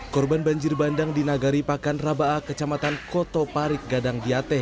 korban banjir bandang di nagari pakan rabaah ⁇ kecamatan koto parit gadang diateh